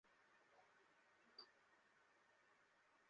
দোস্ত, তুই কি পেয়েছিস?